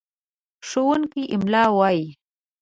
ښوونکی املا وايي.